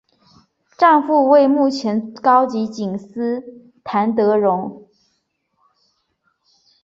丈夫为前高级警司谭德荣。